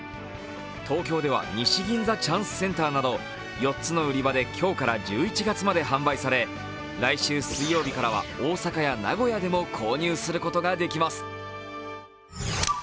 東京では西銀座チャンスセンターなど４つの売り場で今日から１１月まで販売され来週水曜日からは大阪や名古屋でも購入することができます。